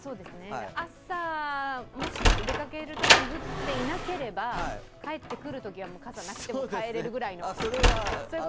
朝もし出かけるときに降っていなければ、帰ってくるときは傘なくても帰れるくらいの？